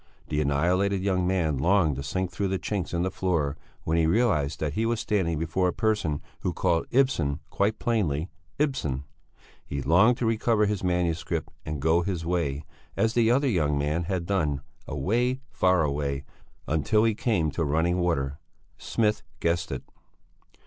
The annihilated young man longed to sink through the chinks in the floor when he realized that he was standing before a person who called Ibsen quite plainly "Ibsen." He longed to recover his manuscript, and go his way, as the other young man had done, away, far away, until he came to running water. Smith guessed it.